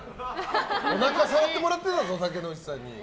おなか触ってもらってたぞ竹野内さんに。